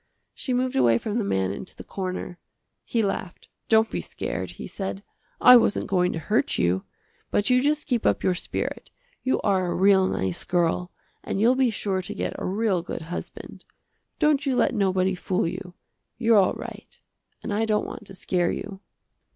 She moved away from the man into the corner. He laughed, "Don't be scared," he said, "I wasn't going to hurt you. But you just keep up your spirit. You are a real nice girl, and you'll be sure to get a real good husband. Don't you let nobody fool you. You're all right and I don't want to scare you."